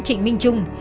trịnh minh trung